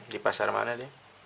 di pasar mana dia